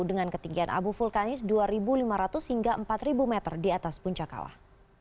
dengan ketinggian abu vulkanis dua lima ratus hingga empat meter di atas puncak kawah